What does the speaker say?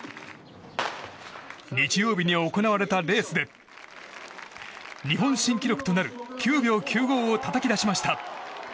日曜日に行われたレースで日本新記録となる９秒９５をたたき出しました。